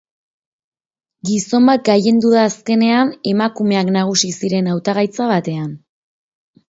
Gizon bat gailendu da azkenean emakumeak nagusi ziren hautagaitza batean.